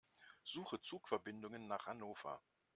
Suche Zugverbindungen nach Hannover.